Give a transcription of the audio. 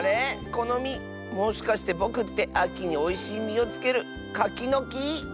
このみもしかしてぼくってあきにおいしいみをつけるカキのき？